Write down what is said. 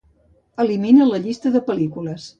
Elimina la llista de pel·lícules.